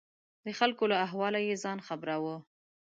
د خلکو له احواله یې ځان خبر کاوه.